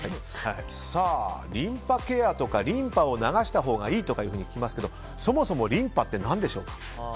さあ、リンパケアとかリンパを流したほうがいいとかいうふうに聞きますがそもそもリンパって何でしょうか？